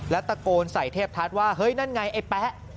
แล้วตะโกนใส่เทพทัศน์ว่าเฮ้ยนั่นไงไอ้แป๊ะ